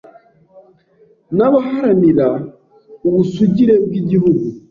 n’abaharanira ubusugire bw’Igihugu,